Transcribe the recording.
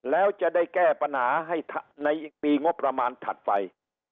แล้วจะได้แก้ปัญหาให้ในปีงบประมาณถัดไป